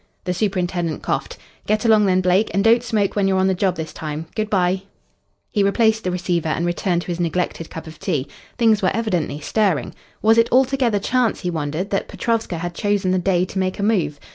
The superintendent coughed. "Get along then, Blake. And don't smoke when you're on the job this time. Good bye." He replaced the receiver and returned to his neglected cup of tea. Things were evidently stirring. Was it altogether chance, he wondered, that Petrovska had chosen the day to make a move?